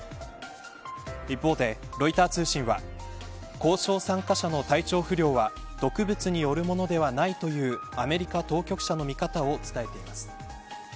一方で、ロイター通信は交渉参加者の体調不良は毒物によるものではないというアメリカ当局者の見方を伝えています。